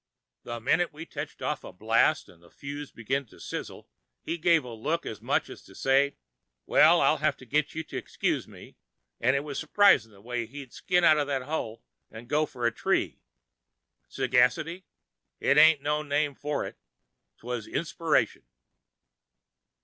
The minute we'd tetch off a blast 'n' the fuse'd begin to sizzle, he'd give a look as much as to say, 'Well, I'll have to git you to excuse me,' an' it was supris'n' the way he'd shin out of that hole 'n' go f'r a tree. Sagacity? It ain't no name for it. 'Twas inspiration!"